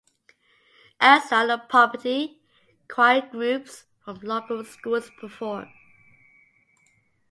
Elsewhere on the property, choir groups from local schools perform.